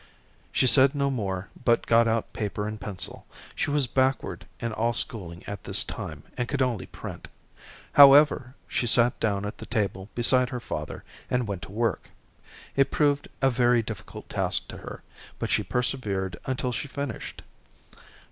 She said no more but got out paper and pencil. She was backward in all schooling at this time, and could only print. However, she sat down at the table beside her father and went to work. It proved a very difficult task to her, but she persevered until she finished.